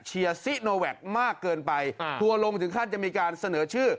เชียร์ซิโนแวกมากเกินไปอ่าทัวรงค์ถึงท่านจะมีการเสนอชื่อ